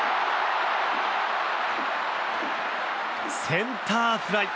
センターフライ。